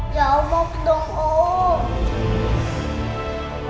jawab dong om